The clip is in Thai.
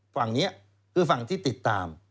ฝั่งนี้คือฝั่งที่ติดตาม